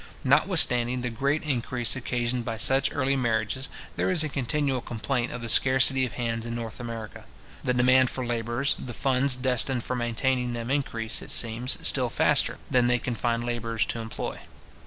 Notwithstanding the great increase occasioned by such early marriages, there is a continual complaint of the scarcity of hands in North America. The demand for labourers, the funds destined for maintaining them increase, it seems, still faster than they can find labourers to employ.